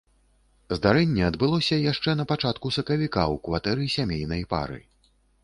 Здарэнне адбылося яшчэ на пачатку сакавіка ў кватэры сямейнай пары.